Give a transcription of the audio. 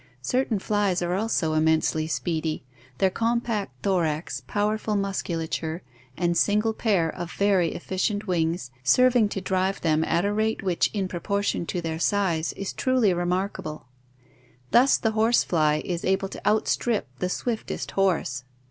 Certain flies are also immensely speedy, their compact thorax, powerful musculature and single pair of very efficient wings serving to drive them at a rate which, in proportion to their size, is truly remarkable. Thus the horse fly is able to outstrip the swiftest horse.